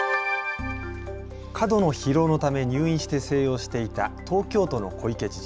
過度の疲労のため入院して静養していた東京都の小池知事。